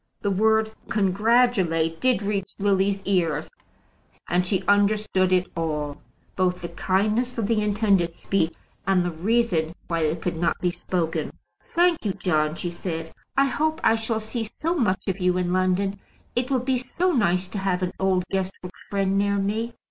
The word "congratulate" did reach Lily's ears, and she understood it all; both the kindness of the intended speech and the reason why it could not be spoken. "Thank you, John," she said; "I hope I shall see so much of you in London. It will be so nice to have an old Guestwick friend near me."